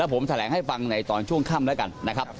แล้วผมแสดงให้ฟังในช่วงค่ำนะครับ